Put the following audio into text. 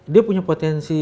satu banka belitung itu